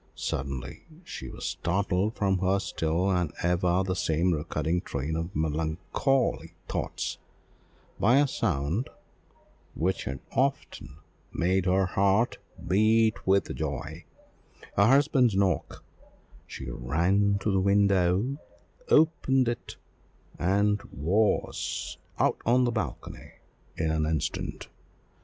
Suddenly she was startled from her still and ever the same recurring train of melancholy thoughts, by a sound which had often made her heart beat with joy her husband's knock; she ran to the window, opened it, and was out on the balcony in an instant.